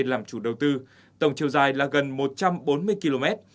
làm chủ đầu tư tổng chiều dài là gần một trăm bốn mươi km